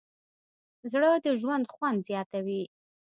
زړه د ژوند خوند زیاتوي.